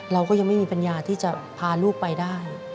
เราก็ยังไม่มีปัญญาที่จะพาลูกไปได้